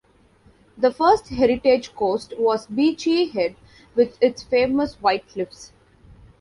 The first heritage coast was Beachy Head with its famous white cliffs.